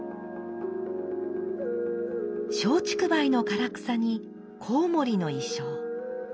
松竹梅の唐草にこうもりの意匠。